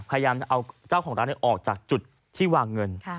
พยายามจะเอาเจ้าของร้านออกจากจุดที่วางเงิน